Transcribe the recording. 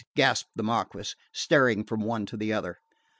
gasped the Marquess, staring from one to the other.